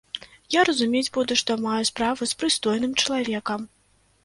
Я разумець буду, што маю справу з прыстойным чалавекам.